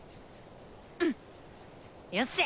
うん！よし！